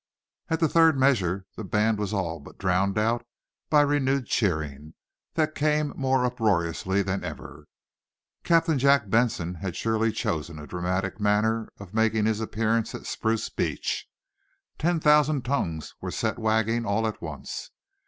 At the third measure the band was all but drowned out by renewed cheering, that came more uproariously than ever. Captain Jack Benson had surely chosen a dramatic manner of making his appearance at Spruce Beach. Ten thousand tongues were set wagging all at once.